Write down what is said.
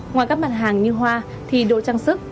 ngoài các mặt hàng như hoa thì đồ trang sức